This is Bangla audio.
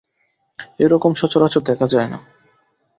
এই রকম সচরাচর দেখা যায় না।